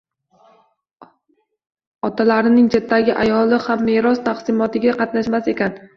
Otalarining chetdagi ayoli ham meros taqsimotiga qatnashmas ekan.